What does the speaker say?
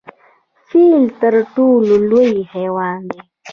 فیل تر ټولو لوی حیوان دی؟